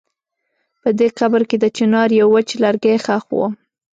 په دې قبر کې د چنار يو وچ لرګی ښخ و.